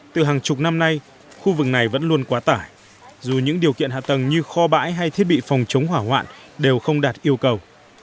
từ hàng chục năm nay khu vực này vẫn luôn quá tải dù những điều kiện hạ tầng như kho bãi hay thiết bị phòng chống hỏa hoạn đều không đạt yêu cầu